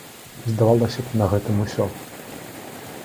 Здавалася б, на гэтым усё.